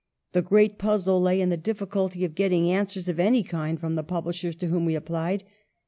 The great puzzle lay in the difficulty of getting answers of any kind from the pub lishers to whom we applied.